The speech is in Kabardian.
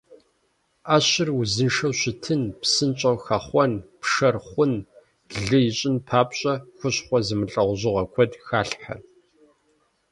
Ӏэщыр узыншэу щытын, псынщӀэу хэхъуэн, пшэр хъун, лы ищӀын папщӀэ, хущхъуэ зэмылӀэужьыгъуэ куэд халъхьэ.